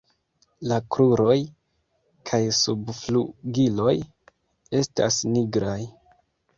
La kruroj kaj subflugiloj estas nigraj.